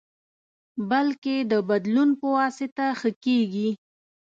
بلکې د بدلون پواسطه ښه کېږي.